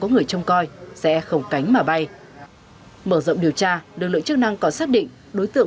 có người trông coi xe không cánh mà bay mở rộng điều tra lực lượng chức năng còn xác định đối tượng